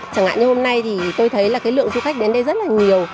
chẳng hạn như hôm nay thì tôi thấy là cái lượng du khách đến đây rất là nhiều